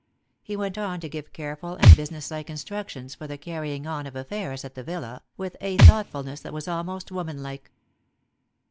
He went on to give careful and business like instructions for the carrying on of affairs at the villa, with a thoughtfulness that was almost woman like.